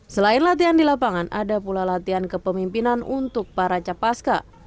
selain latihan di lapangan ada pula latihan kepemimpinan untuk para capaska